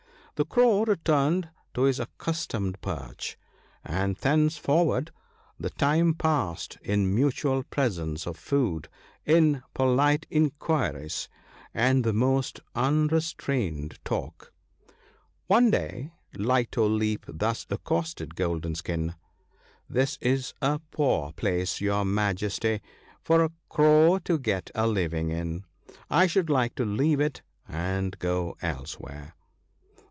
The Crow returned to his accustomed perch :— and thenceforward the time passed in mutual presents of food, in polite inquiries, and the most unrestrained talk. One day Light o' Leap thus accosted Golden skin :—* This is a poor place, your Majesty, for a Crow to get a living in. I should like to leave it and go elsewhere.'